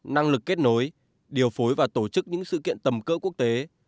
năng lực kết nối điều phối và tổ chức những sự kiện tầm cỡ quốc tế